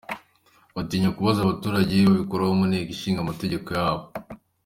Batinya kubaza abaturage, babiroha mu nteko nshinga mategeko yabo.